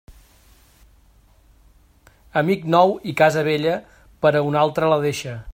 Amic nou i casa vella, per a un altre la deixa.